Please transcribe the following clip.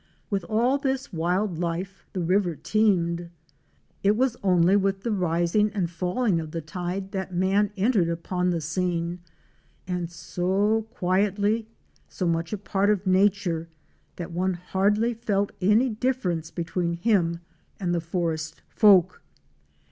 With all this wild life the river teemed. It was only with the rising and falling of the tide that man entered upon the scene; and so quietly, so much a part of Fic. 44. THE SILENT SAVAGES. nature, that one hardly felt any difference between him and the forest folk.